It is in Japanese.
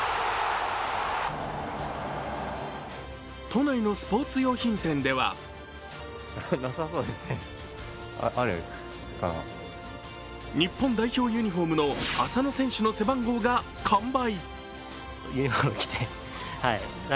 都内のスポーツ用品店では日本代表ユニフォームの浅野選手の背番号が完売。